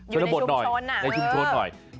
ชนบทหน่อยในชุมชนหน่อยเอออยู่ในชุมชน